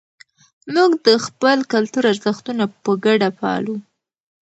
موږ د خپل کلتور ارزښتونه په ګډه پالو.